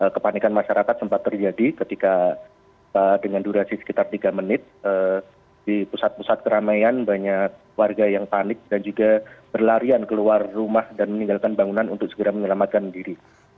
kepanikan masyarakat sempat terjadi ketika dengan durasi sekitar tiga menit di pusat pusat keramaian banyak warga yang panik dan juga berlarian keluar rumah dan meninggalkan bangunan untuk segera menyelamatkan diri